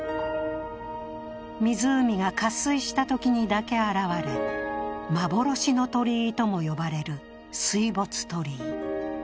湖が渇水したときにだけ現れ、幻の鳥居とも呼ばれる水没鳥居。